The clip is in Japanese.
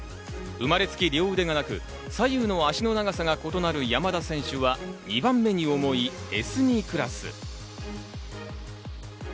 生まれつき両腕がなく、左右の足の長さが異なる山田選手は２番目に重いＳ２クラス。